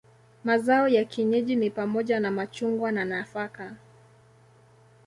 Mazao ya kienyeji ni pamoja na machungwa na nafaka.